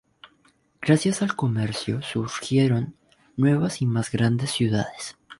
Gracias al comercio surgieron nuevas y más grandes ciudades.